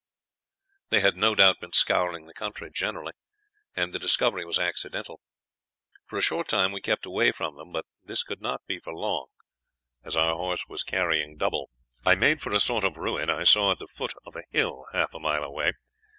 They had no doubt been scouring the country generally, and the discovery was accidental. For a short time we kept away from them, but this could not be for long, as our horse was carrying double. I made for a sort of ruin I saw at the foot of a hill half a mile away.